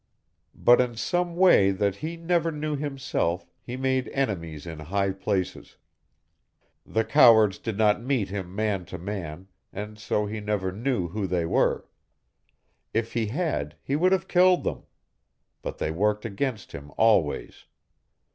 "But in some way that he never knew himself he made enemies in high places. The cowards did not meet him man to man, and so he never knew who they were. If he had, he would have killed them. But they worked against him always.